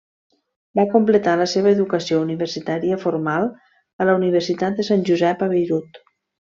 Va completar la seva educació universitària formal a la Universitat de Sant Josep a Beirut.